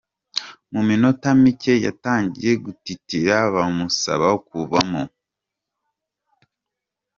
Mu minota mike yatangiye gutitira, bamusaba kuvamo.